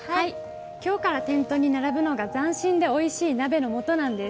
今日から店頭に並ぶのが斬新でおいしい鍋のもとなんです。